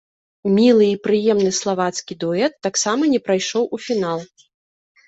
Мілы і прыемны славацкі дуэт таксама не прайшоў у фінал.